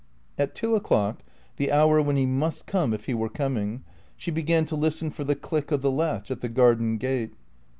At two o'clock, the hour when he must come if he were coming, she began to listen for the click of the latch at the garden gate.